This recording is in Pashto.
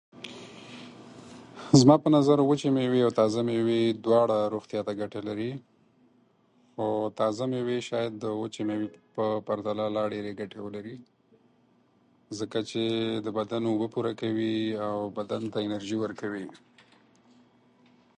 زما په نظر وچې مېوې او تازه مېوې دواړه روغتیا ته ګټې لري، او تازه مېوې شاید د وچې مېوې په پرتله لا ډېرې ګټې ولري، ځکه چې د بدن اوبه پوره کوي او بدن ته انرژي ورکوي.